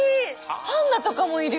パンダとかもいるよ